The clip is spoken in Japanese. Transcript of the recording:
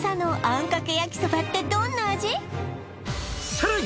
「さらに」